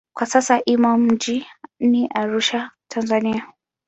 Kwa sasa imo mjini Arusha, Tanzania.